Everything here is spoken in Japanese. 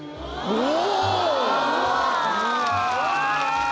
うわ！